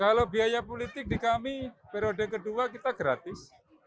kalau biaya politik di kami periode kedua kita gratis